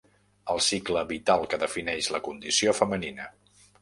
El cicle vital que defineix la condició femenina.